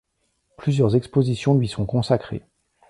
Plusieurs expositions lui sont consacrées.